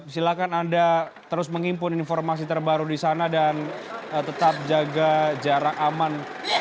silahkan anda terus mengimpun informasi terbaru di sana dan tetap jaga jarak aman